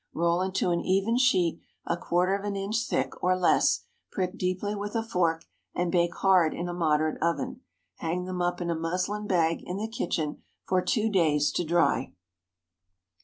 Roll into an even sheet, a quarter of an inch thick, or less, prick deeply with a fork, and bake hard in a moderate oven. Hang them up in a muslin bag in the kitchen for two days to dry.